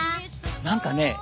何かね